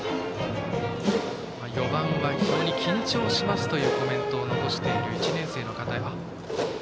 ４番は非常に緊張しますというコメントを残している１年生の片井。